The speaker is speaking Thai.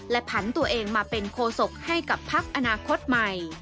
ผันตัวเองมาเป็นโคศกให้กับพักอนาคตใหม่